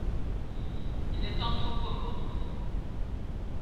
Il est anthropomorphe.